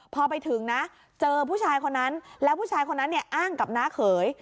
พอไปถึงนะเจอผู้ชายคนนั้นแล้วผู้ชายคนนั้นเนี่ยอ้างกับน้าเขย